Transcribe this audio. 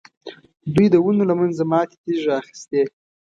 دوی د ونو له منځه ماتې تېږې را اخیستې.